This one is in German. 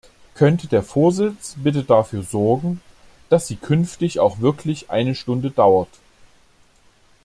Könnte der Vorsitz bitte dafür sorgen, dass sie künftig auch wirklich eine Stunde dauert?